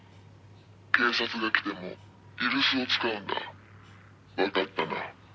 警察が来ても居留守を使うんだ」「わかったな」